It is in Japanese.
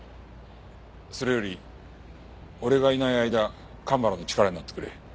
それより俺がいない間蒲原の力になってくれ。